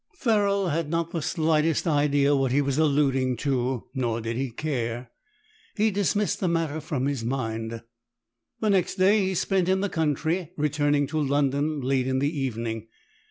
Ferrol had not the slightest idea what he was alluding to, nor did he care. He dismissed the matter from his mind. The next day he spent in the country, returning to London late in the evening.